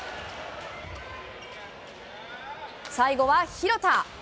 最後は廣田。